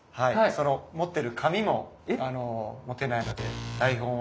その持ってる紙も持てないので台本は頭に入れて。